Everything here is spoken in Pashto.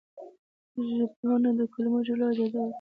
ژبپوهنه د کلمو جوړول اجازه ورکوي.